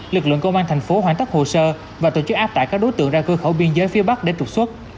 lực lượng công an thành phố hoàn tất hồ sơ và tổ chức áp tải các đối tượng ra cơ khẩu biên giới phía bắc để trục xuất